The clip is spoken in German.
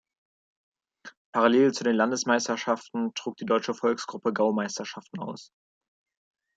Parallel zu den Landesmeisterschaften trug die deutsche Volksgruppe Gau-Meisterschaften aus.